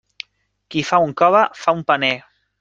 Qui fa un cove, fa un paner.